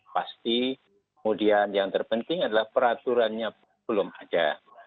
pasti kemudian yang terpenting adalah peraturannya belum ada